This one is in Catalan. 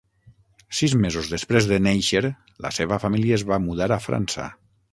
Sis mesos després de néixer, la seva família es va mudar a França.